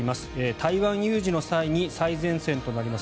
台湾有事の際に最前線となります